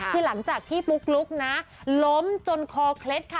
คือหลังจากที่ปุ๊กลุ๊กนะล้มจนคอเคล็ดค่ะ